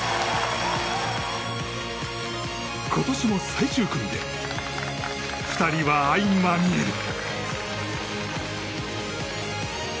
今年も最終組で２人は相まみえる。